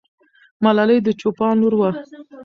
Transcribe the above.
ملالۍ د چوپان لور وه.